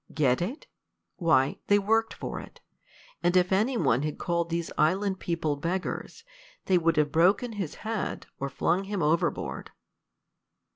"Get it? Why, they worked for it; and if any one had called these island people beggars, they would have broken his head, or flung him overboard."